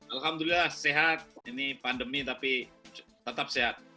alhamdulillah sehat ini pandemi tapi tetap sehat